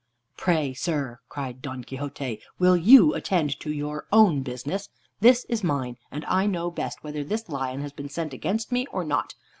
"Pray, sir," cried Don Quixote, "will you attend to your own business? This is mine, and I know best whether this lion has been sent against me or not.